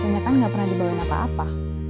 biasanya kan gak pernah dibawain apa apa